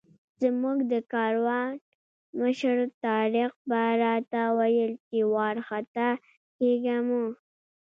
زموږ د کاروان مشر طارق به راته ویل چې وارخطا کېږه مه.